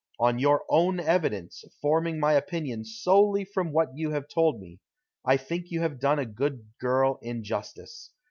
On your own evidence, forming my opinion solely from what you have told me, I think you have done a good girl injustice.